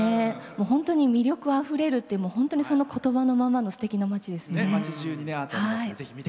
本当に魅力あふれるというの本当に、その言葉のままのすてきな町ですね。